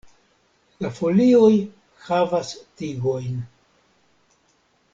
La folioj havas tigojn.